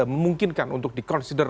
memungkinkan untuk di consider